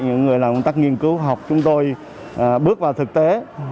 những người làm công tác nghiên cứu khoa học chúng tôi bước vào thực tế